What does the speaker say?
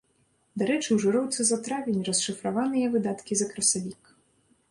Дарэчы, ў жыроўцы за травень расшыфраваныя выдаткі за красавік.